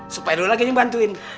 supaya lu lagi yang bantuin